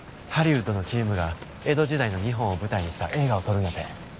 ハリウッドのチームが江戸時代の日本を舞台にした映画を撮るんやて。